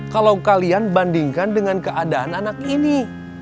kalau kalian bandingkan dengan keadaan anak ini